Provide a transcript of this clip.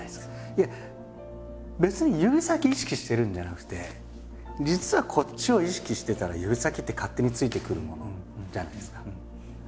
いや別に指先意識してるんじゃなくて実はこっちを意識してたら指先って勝手についてくるものじゃないですか。